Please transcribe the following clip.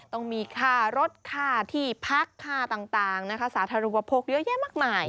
ต้องมีค่ารถค่าที่พักค่าต่างนะคะสาธารณูปโภคเยอะแยะมากมาย